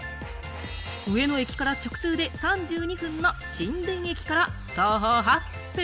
上野駅から直通で３２分の新田駅から徒歩８分。